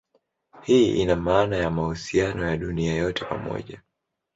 Hii ina maana ya mahusiano ya dunia yote pamoja.